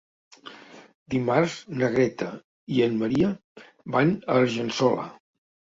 Dimarts na Greta i en Maria van a Argençola.